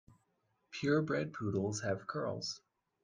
Pure bred poodles have curls.